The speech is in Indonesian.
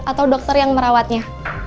atau dokter yang merawatnya